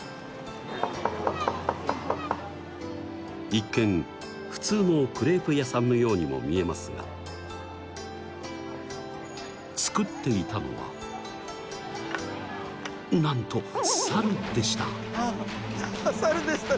一見普通のクレープ屋さんのようにも見えますが作っていたのはなんとサルでした。